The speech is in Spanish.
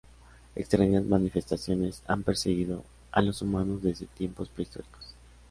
Extrañas manifestaciones han perseguido a los humanos desde tiempos prehistóricos.